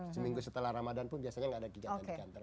seminggu setelah ramadan pun biasanya nggak ada kegiatan di kantor